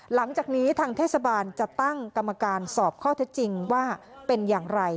หลังจากนี้ทางเทศบาลจะตั้งกรรมการสอบข้อเท็จจริงว่าเป็นอย่างไร